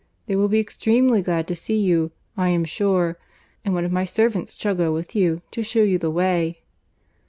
They will be extremely glad to see you, I am sure; and one of my servants shall go with you to shew you the way."